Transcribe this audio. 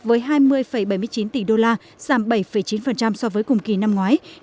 với hai mươi bảy mươi chín tỷ đô la giảm bảy chín so với cùng kỳ năm ngoái